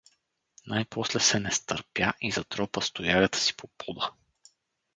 Най-после се не стърпя и затропа с тоягата си по пода.